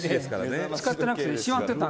「使ってなくてしまってた」